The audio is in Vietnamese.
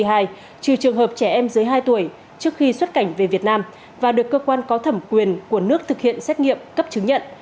trừ trường hợp trẻ em dưới hai tuổi trước khi xuất cảnh về việt nam và được cơ quan có thẩm quyền của nước thực hiện xét nghiệm cấp chứng nhận